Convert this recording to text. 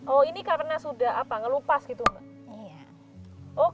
oh ini karena sudah apa ngelupas gitu mbak